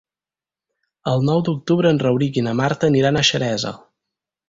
El nou d'octubre en Rauric i na Marta aniran a Xeresa.